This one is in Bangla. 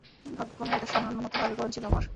ভাগ্যক্রমে, এটা সামলানোর মতো হাড়ের গঠন ছিল আমার।